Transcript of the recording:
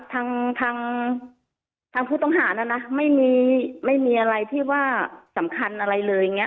ทางทางผู้ต้องหานะนะไม่มีไม่มีอะไรที่ว่าสำคัญอะไรเลยอย่างนี้